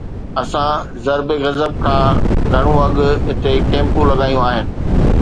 اسان ضرب عضب کان گهڻو اڳ هتي ڪيمپون لڳايون آهن.